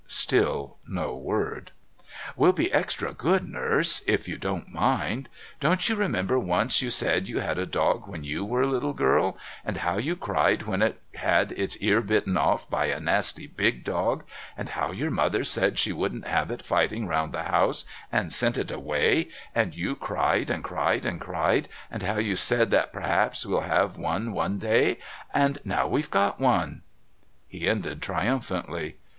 Still no word. "We'll be extra good, Nurse, if you don't mind. Don't you remember once you said you had a dog when you were a little girl, and how you cried when it had its ear bitten off by a nasty big dog, and how your mother said she wouldn't have it fighting round the house, and sent it away, and you cried, and cried, and cried, and how you said that p'r'aps we'll have one one day? and now we've got one." He ended triumphantly.